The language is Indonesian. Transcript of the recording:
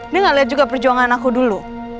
dia gak liat juga perjuangan aku dulu